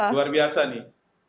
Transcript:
luar biasa nih